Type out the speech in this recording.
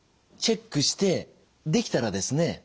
チェックしてできたらですね